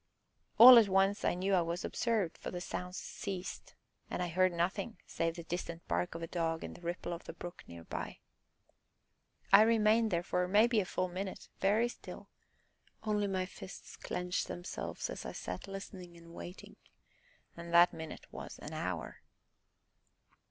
All at once I knew I was observed, for the sounds ceased, and I heard nothing save the distant bark of a dog and the ripple of the brook near by. I remained there for, maybe, a full minute, very still, only my fists clenched themselves as I sat listening and waiting and that minute was an hour.